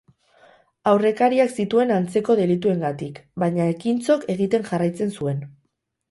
Aurrekariak zituen antzeko delituengatik, baina ekintzok egiten jarraitzen zuen.